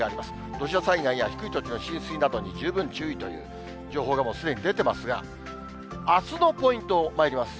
土砂災害や低い土地の浸水などに十分注意という情報がもうすでに出てますが、あすのポイントまいります。